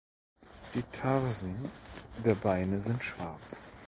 Die Tarsen der Beine sind schwarz.